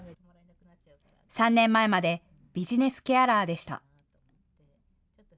３年前までビジネスケアラーでした。